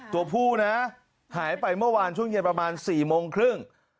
ตัวผู้นะหายไปเมื่อวานช่วงเย็นประมาณ๔โมงครึ่ง